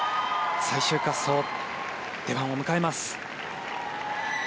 最終滑走、出番を迎えます。